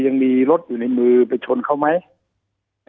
ยังมีรถอยู่ในมือไปชนเขาไหม